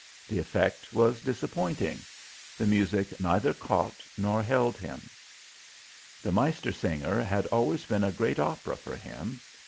The effect was disappointing. The music neither caught nor held him. "The Meistersinger" had always been a great opera for him.